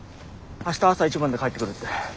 明日朝一番で帰ってくるって。